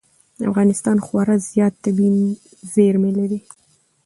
افغانستان خورا زیات طبعي زېرمې لري.